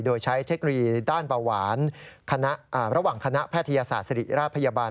โดยใช้เทคโนโลยีด้านเบาหวานระหว่างคณะแพทยศาสตร์ศิริราชพยาบาล